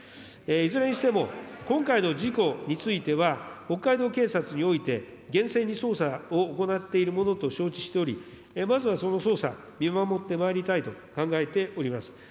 いずれにしても今回の事故については、北海道警察において厳正に捜査を行っているものと承知しており、まずはその捜査、見守ってまいりたいと考えております。